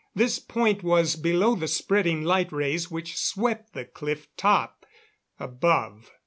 This point was below the spreading light rays which swept the cliff top above.